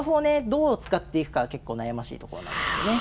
どう使っていくかは結構悩ましいところなんですよね。